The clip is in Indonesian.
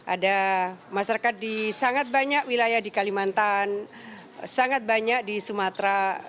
ada masyarakat di sangat banyak wilayah di kalimantan sangat banyak di sumatera